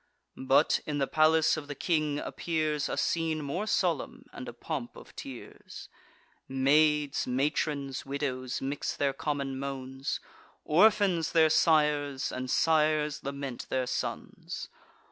But, in the palace of the king, appears A scene more solemn, and a pomp of tears. Maids, matrons, widows, mix their common moans; Orphans their sires, and sires lament their sons.